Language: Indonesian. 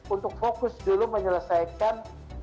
untuk fokus dulu menyelesaikan